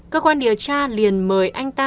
cơ quan điều tra liền mời anh ta